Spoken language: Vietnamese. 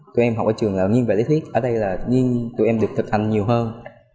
tụi em học ở trường là nghiên về lý thuyết ở đây là nghiên tụi em được thực hành nhiều hơn